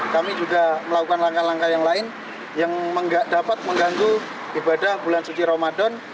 kami juga melakukan langkah langkah yang lain yang dapat mengganggu ibadah bulan suci ramadan